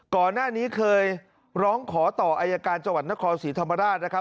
ก่อนหน้านี้เคยร้องขอต่อเอยากาญจัวร์นครศรีธรรมดา